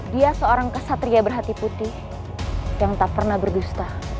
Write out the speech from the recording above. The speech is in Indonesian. dia seorang kesatria berhati putih yang tak pernah berdusta